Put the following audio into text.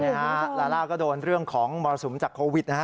นี่นี่ฮะลาลาก็โดนเรื่องของมวลศูนย์จากโควิด